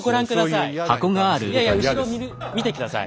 いやいや後ろ見て下さい。